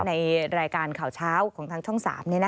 ในรายการข่าวเช้าของทางช่อง๓